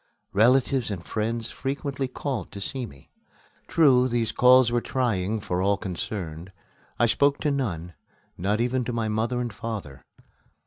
Relatives and friends frequently called to see me. True, these calls were trying for all concerned. I spoke to none, not even to my mother and father.